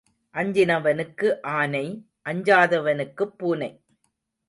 அஞ்சினவனுக்கு ஆனை அஞ்சாதவனுக்குப் பூனை.